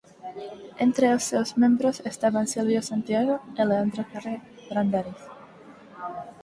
Entre os seus membros estaban Silvio Santiago e Leandro Carré Brandariz.